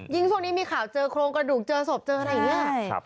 ช่วงนี้มีข่าวเจอโครงกระดูกเจอศพเจออะไรอย่างนี้